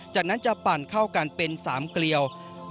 จากนั้นจะปั่นเข้ากันเป็น๓เกลียว